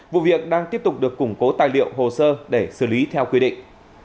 vụ việc đang tiếp tục được củng cố tài liệu hồ sơ để xử lý theo quy định